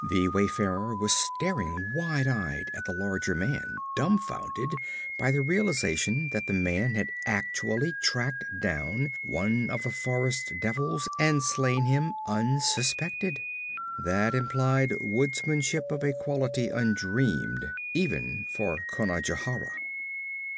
The wayfarer was staring wide eyed at the larger man, dumfounded by the realization that the man had actually tracked down one of the forest devils and slain him unsuspected. That implied woodsmanship of a quality undreamed, even for Conajohara.